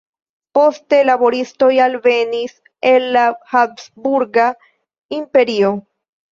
Poste laboristoj alvenis el la Habsburga Imperio.